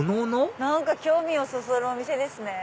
何か興味をそそるお店ですね。